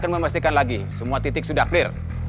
memastikan lagi semua titik sudah clear